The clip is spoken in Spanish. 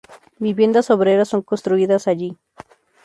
Viviendas obreras son construidas allí.